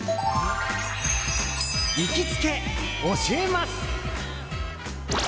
行きつけ教えます！